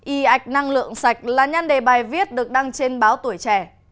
y ạch năng lượng sạch là nhan đề bài viết được đăng trên báo tuổi trẻ